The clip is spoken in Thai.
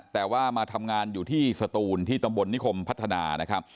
แต่ว่ามาทำงานอยู่ที่สตูนที่ตำบลนิคมพัฒนานะครับ